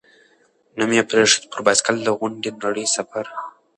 نوم یې پرېښود، «پر بایسکل د غونډې نړۍ سفر».